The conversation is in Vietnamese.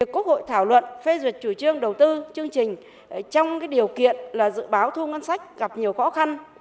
quốc hội thảo luận phê duyệt chủ trương đầu tư chương trình trong điều kiện dự báo thu ngân sách gặp nhiều khó khăn